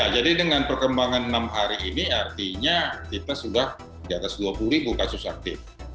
jadi dengan perkembangan enam hari ini artinya kita sudah di atas dua puluh ribu kasus aktif